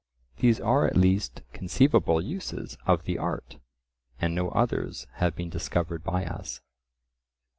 These are at least conceivable uses of the art, and no others have been discovered by us.